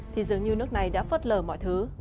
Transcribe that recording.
thì dường như nước này đã phớt lờ mọi thứ